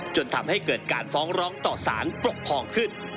จนทำให้เกิดการฟ้องร้องต่อสารปกครองขึ้น